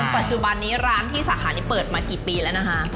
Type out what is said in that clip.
จนปัจจุบันนี้ร้านที่สถานที่ปลิกระเปิดมากี่ปีแล้วนะคะ